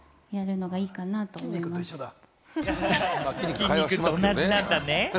筋肉と同じなんだね。